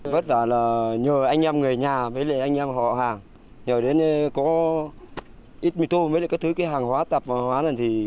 vất vả là nhờ anh em người nhà với anh em họ hàng nhờ đến có ít mì tôm với các thứ hàng hóa tạp hóa